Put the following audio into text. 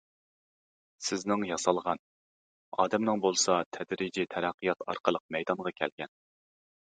سىزنىڭ ياسالغان، ئادەمنىڭ بولسا تەدرىجىي تەرەققىيات ئارقىلىق مەيدانغا كەلگەن.